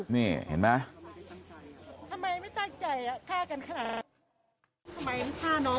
นี่เห็นไหม